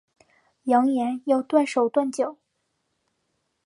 扬言要断手断脚